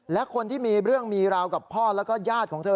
และคนที่มีเรื่องมีราวกับพ่อแล้วก็ญาติของเธอ